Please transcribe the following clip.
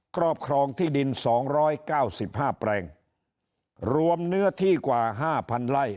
ครอบครองที่ดิน๒๙๕แปลงรวมเนื้อที่กว่า๕๐๐๐ไร่